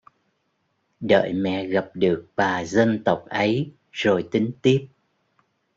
Đợi mẹ gặp được bà dân tộc ấy rồi tính tiếp